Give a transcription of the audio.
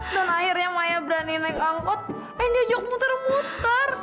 dan akhirnya maya berani naik angkot eh dia juga muter muter